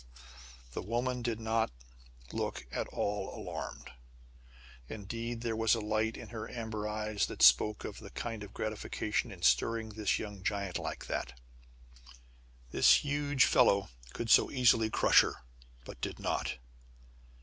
The woman did not look at all alarmed. Indeed there was a light in her amber eyes that spoke of a kind of gratification in stirring this young giant like that this huge fellow that could so easily crush her but did not!